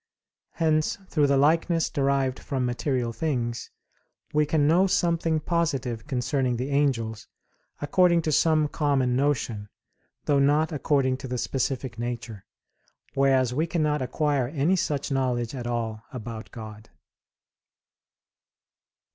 Hence through the likeness derived from material things we can know something positive concerning the angels, according to some common notion, though not according to the specific nature; whereas we cannot acquire any such knowledge at all about God.